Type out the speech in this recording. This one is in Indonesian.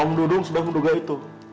om dudung sudah menduga itu